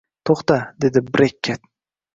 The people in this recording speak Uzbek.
To`xta, dedi Brekket